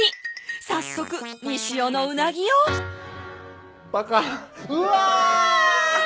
早速西尾のうなぎをパカッうわ！